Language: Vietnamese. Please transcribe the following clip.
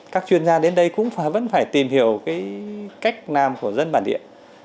các chuyên gia đến đây cũng vẫn phải tìm hiểu cách làm của dân bản địa